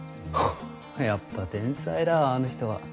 やっぱ天才だわあの人は。